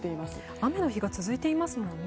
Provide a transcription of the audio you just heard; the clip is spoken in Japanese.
雨の日が続いていますもんね。